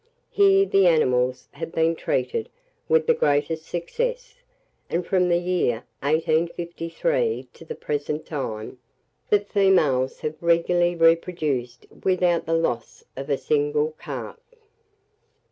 Here the animals have been treated with the greatest success, and from the year 1853 to the present time, the females have regularly reproduced, without the loss of a single calf.